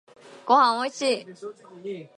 ごはんおいしい